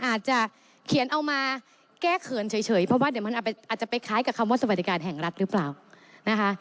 อาจจะเขียนเอามาแก้เขินเฉยเพราะว่าเดี๋ยวมันอาจจะไปคล้ายกับคำว่าสวัสดิการแห่งรัฐหรือเปล่านะคะ